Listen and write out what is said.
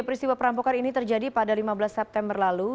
peristiwa perampokan ini terjadi pada lima belas september lalu